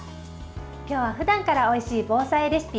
今日はふだんからおいしい防災レシピ。